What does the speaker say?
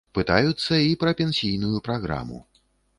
Пытаюцца і пра пенсійную праграму.